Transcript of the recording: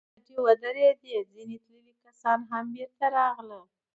کډې ودرېدې، ځينې تللي کسان هم بېرته راغلل.